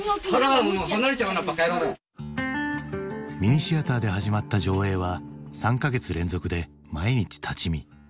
ミニシアターで始まった上映は３か月連続で毎日立ち見。